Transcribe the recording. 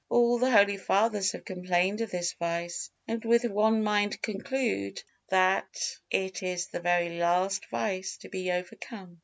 All the holy Fathers have complained of this vice and with one mind conclude that it is the very last vice to be overcome.